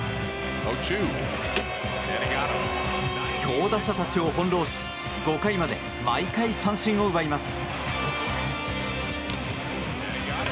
強打者たちを翻弄し５回まで毎回三振を奪います。